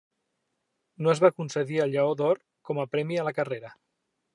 No es va concedir el Lleó d'Or com a premi a la carrera.